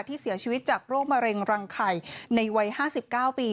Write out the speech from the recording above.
ที่เสียชีวิตจากโรคมะเร็งรังไข่ในวัย๕๙ปี